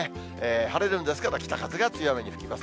晴れるんですけど、北風が強めに吹きます。